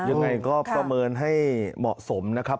ยังไงก็ประเมินให้เหมาะสมนะครับ